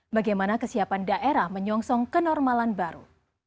bagaimana kesiapan daerah menyongsong kenormalan baru